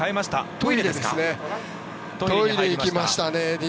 トイレに行きましたね。